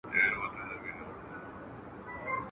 چا غړومبی ورته کاوه چا اتڼونه !.